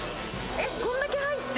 えっ、こんだけ入って？